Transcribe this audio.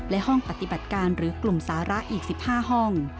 และห้องปฏิบัติการหรือกลุ่มสาระอีก๑๕ห้อง